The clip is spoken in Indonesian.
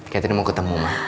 catherine mau ketemu ma